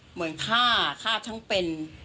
เหมือนฆ่าฆ่าทั้งเป็น